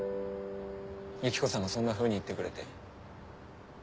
ユキコさんがそんなふうに言ってくれて。